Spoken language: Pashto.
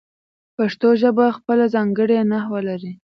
پښتو ژبه خپله ځانګړې نحو لري.